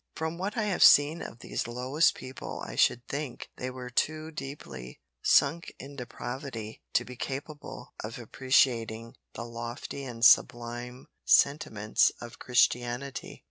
From what I have seen of these lowest people I should think they were too deeply sunk in depravity to be capable of appreciating the lofty and sublime sentiments of Christianity."